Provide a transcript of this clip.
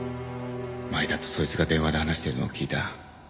前田とそいつが電話で話しているのを聞いた。